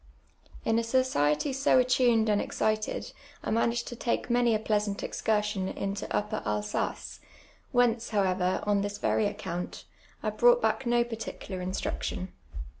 In a society so attuned and excited I managed to take many a pleasant excursion into Tapper Alsace, whence, however, on this very account, I brought back no particular instruction.